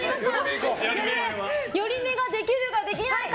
寄り目ができるか、できないか。